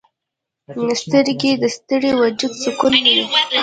سترګې د ستړي وجود سکون دي